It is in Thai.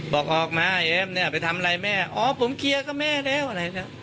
บอกออกมาเอ็มเนี่ยไปทำอะไรแม่อ๋อผมเคลียร์กับแม่แล้วอะไรแล้ว